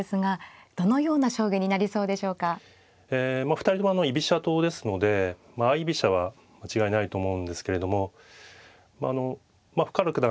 ２人とも居飛車党ですので相居飛車は間違いないと思うんですけれどもあの深浦九段